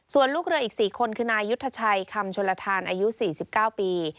ส่วนลูกเรืออีก๔คนคือนายยุทธชัยคำชลทานอายุ๔๙ปี